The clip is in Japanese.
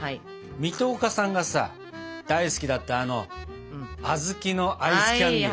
水戸岡さんがさ大好きだったあのあずきのアイスキャンデー。